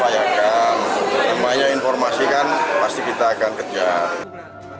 masih pemeriksaan kita si tersangka ini baru mau coba coba dan ternyata alamat yang dihubungi itu biktip